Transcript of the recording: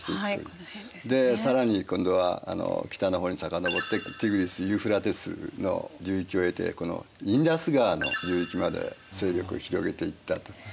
更に今度は北の方に遡ってティグリス・ユーフラテスの流域を経てこのインダス川の流域まで勢力を広げていったと。